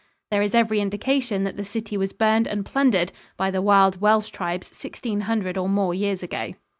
There is every indication that the city was burned and plundered by the wild Welsh tribes sixteen hundred or more years ago.